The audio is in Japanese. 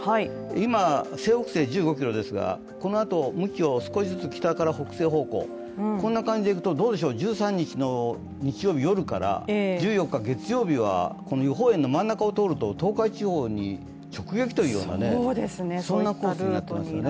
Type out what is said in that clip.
今、西北西１５ｋｍですが、このあと向きを少しずつ北西方向へ、こんな感じでいくと１３日の日曜日夜から、１４日月曜日は予報円の真ん中を通ると東海地方に直撃というコースになっていますよね。